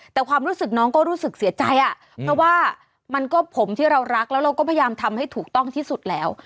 แต่ความรู้สึกน้องก็รู้สึกเสียใจอ่ะเพราะว่ามันก็ผมที่เรารักแล้วเราก็พยายามทำให้ถูกต้องที่สุดแล้ว